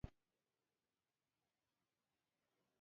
سیلابونه د افغانستان د زرغونتیا یوه څرګنده نښه ده.